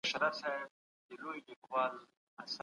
اقتصادي ماهرين به سوداګرو ته نوي لارښوونې وکړي.